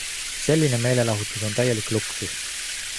Selline meelelahutus on täielik luksus.